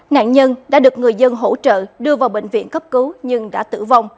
nạn nhân đã được người dân hỗ trợ đưa vào bệnh viện cấp cứu nhưng đã tử vong